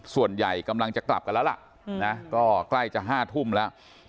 ส่วนใหญ่กำลังจะกลับกันแล้วล่ะนะก็ใกล้จะ๕ทุ่มแล้ว